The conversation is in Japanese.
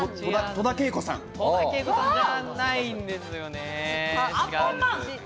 戸田恵子さんじゃないんですよね。